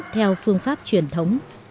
theo phương pháp truyền thống